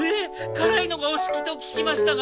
辛いのがお好きと聞きましたが。